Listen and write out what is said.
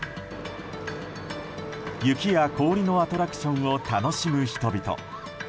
雪や氷のアトラクションを楽しむ人々。